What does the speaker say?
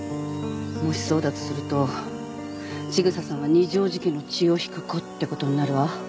もしそうだとすると千草さんは二条路家の血を引く子ってことになるわ。